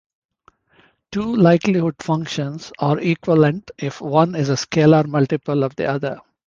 Two likelihood functions are equivalent if one is a scalar multiple of the other.